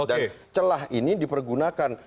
dan celah ini dipergunakan